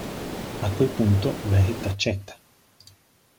A quel punto, Beckett accetta.